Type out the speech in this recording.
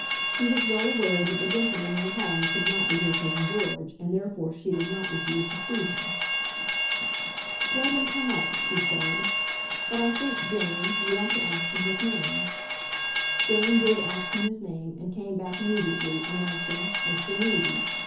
She was well aware that the gentleman in the hall could not be her cousin George, and therefore she did not refuse to see him. "Let him come up," she said. "But I think, Jane, you ought to ask him his name." Jane did ask him his name, and came back immediately, announcing Mr. Levy.